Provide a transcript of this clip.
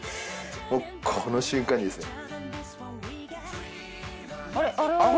もうこの瞬間にですね。